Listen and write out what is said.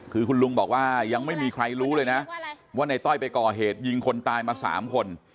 คือคุณลุงบอกว่ายังไม่มีใครรู้เลยนะว่าในต้อยไปก่อเหตุยิงคนตายมา๓คน